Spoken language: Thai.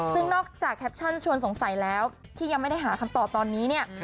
ซึ่งนอกจากแคปชั่นชวนสงสัยแล้วที่ยังไม่ได้หาคำตอบตอนนี้เนี่ย